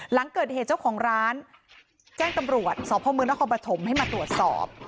หลังเกิดเหตุเจ้าของร้านแจ้งตำรวจสพมนครปฐมให้มาตรวจสอบ